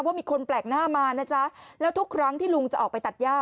ว่ามีคนแปลกหน้ามานะจ๊ะแล้วทุกครั้งที่ลุงจะออกไปตัดย่า